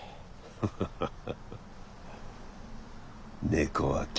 ハハハハ。